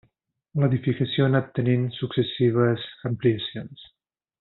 L'edificació ha anat tenint successives ampliacions.